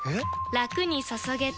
ラクに注げてペコ！